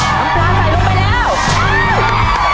ผมเข้าใกล้ไปค่ะ